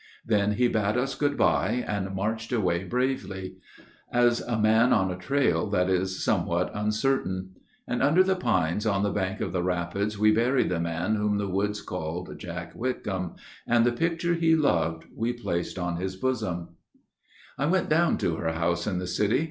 Then he bade us good by, and marched away bravely, As a man on a trail that is somewhat uncertain. And under the pines on the bank of the rapids We buried the man whom the woods called Jack Whitcomb, And the picture he loved we placed on his bosom. I went down to her house in the city.